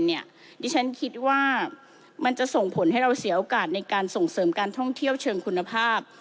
ดิฉันคิดว่ามันจะส่งผลให้เราเสียโอกาสในการส่งเสริมการท่องเที่ยวเชิงคุณภาพ